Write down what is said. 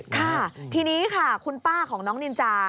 ค่ะทีนี้ค่ะคุณป้าของน้องนินจา